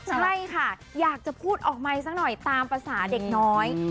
ใช่ค่ะอยากจะพูดออกไมค์สักหน่อยตามภาษาเด็กน้อย